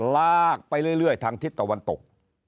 ลากไปเรื่อยทางทิศตะวันตก